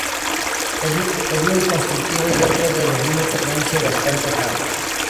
Es muy constructivo y, dentro de los límites del psytrance, bastante "hard".